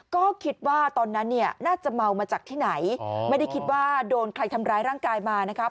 ก็คิดว่าตอนนั้นเนี่ยน่าจะเมามาจากที่ไหนไม่ได้คิดว่าโดนใครทำร้ายร่างกายมานะครับ